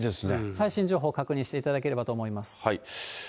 最新情報を確認していただければと思います。